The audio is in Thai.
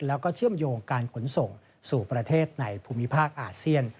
แล้วก็เชื่อมโยงการขนส่งสู่ประเทศในภูมิภาคอาเซียน